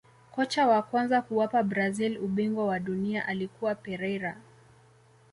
kocha wa kwanza kuwapa brazil ubingwa wa dunia alikuwa Pereira